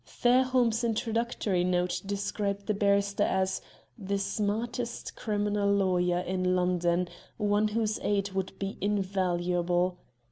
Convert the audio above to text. Fairholme's introductory note described the barrister as "the smartest criminal lawyer in London one whose aid would be invaluable."